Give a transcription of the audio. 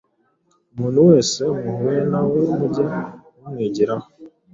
Umuntu wese muhuye na we muge mumwigiraho,